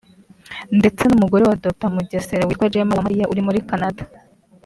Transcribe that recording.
ndetse n’umugore wa Dr Mugesera witwa Gemma Uwamariya uri muri Canada